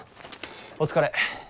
お疲れ。